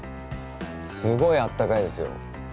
すごいあったかいですよ。